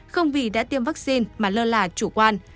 không vì đã tiêm vaccine mà lơ là chủ quan